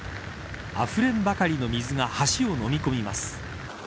あふれんばかりの水が橋をのみ込みます。